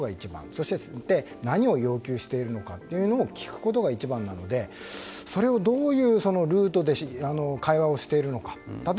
そして、何を要求しているのかを聞くのかというのが一番なのでそれをどういうルートで会話をしているのか。